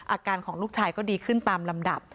อาการของลูกชายก็ดีขึ้นตามลำดับ